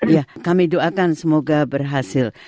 ya kami doakan semoga berhasil